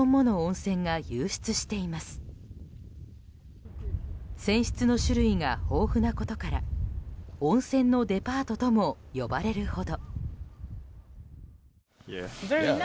泉質の種類が豊富なことから温泉のデパートも呼ばれるほど。